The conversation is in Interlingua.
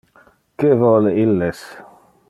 Que vole illes?